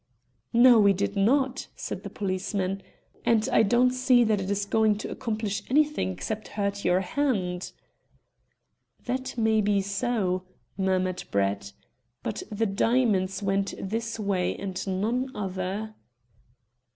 "No, we did not," said the policeman, "and I don't see that it is going to accomplish anything except hurt your hand." "That may be so," murmured Brett; "but the diamonds went this way and none other."